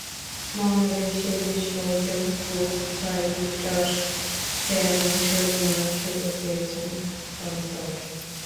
বাংলাদেশের বেশ কয়েকজন ফু ফাইটারস ফ্যান অংশ নেওয়ার সুযোগ পেয়েছেন কনসার্টে।